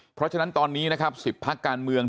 เพราะฉะนั้นตอนนี้นะครับ๑๐พักการเมือง